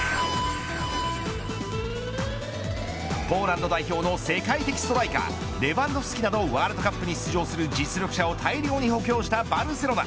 ポーランド代表の世界的ストライカー、レヴァンドフスキなどワールドカップに出場する実力者を大量に補強したバルセロナ。